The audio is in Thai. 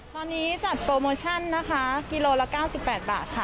ตอนนี้จัดโปรโมชั่นนะคะกิโลละ๙๘บาทค่ะ